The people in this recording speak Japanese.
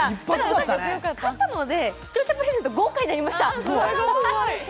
私、勝ったので視聴者プレゼントが豪華になりました。